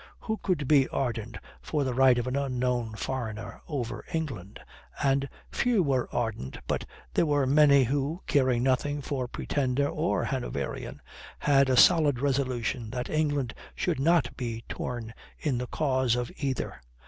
Who could be ardent for the right of an unknown foreigner over England? And few were ardent, but there were many who, caring nothing for Pretender or Hanoverian, had a solid resolution that England should not be torn in the cause of either.